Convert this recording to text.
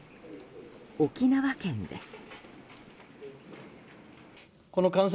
沖縄県です。